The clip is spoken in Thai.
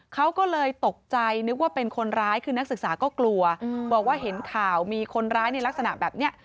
เขาก็เลยตกใจนึกว่าเป็นคนร้ายคือนักศึกษาก็กลัวบอกว่าเห็นข่าวมีคนร้ายในลักษณะแบบนี้